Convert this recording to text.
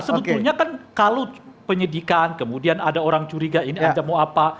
sebetulnya kan kalau penyidikan kemudian ada orang curiga ini anda mau apa